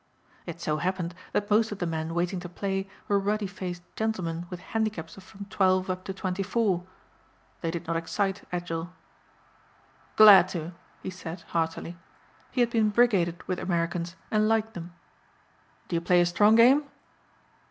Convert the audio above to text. It so happened that most of the men waiting to play were ruddy faced gentlemen with handicaps of from twelve up to twenty four. They did not excite Edgell. "Glad to," he said heartily. He had been brigaded with Americans and liked them. "Do you play a strong game?"